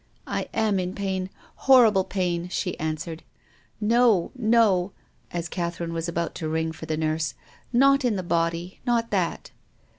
" I am in pain, horrible pain," she answered. " No — no," as Catherine was about to ring for the nurse, " not in the body — not that."